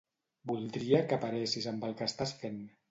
Voldria que paressis amb el que estàs fent.